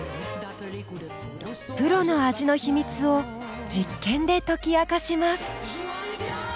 プロの味の秘密を実験で解き明かします。